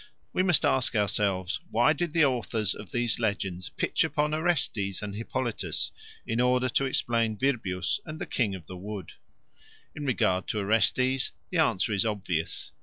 We must ask ourselves, Why did the author of these legends pitch upon Orestes and Hippolytus in order to explain Virbius and the King of the Wood? In regard to Orestes, the answer is obvious.